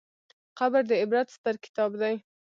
قبر د عبرت ستر کتاب دی.